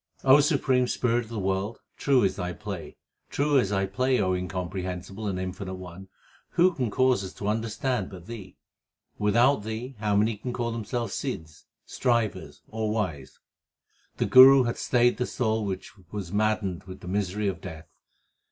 O Supreme Spirit of the world, True is Thy play : True is Thy play, O Incomprehensible and Infinite One ; who can cause us to understand but Thee ? Without Thee how many can call themselves Sidhs, Strivers, or wise ? The Guru hath stayed the soul which was maddened with the misery of death.